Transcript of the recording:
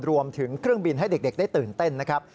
รวมถึงเครื่องบินให้เด็กได้ตื่นเต้นนะครับ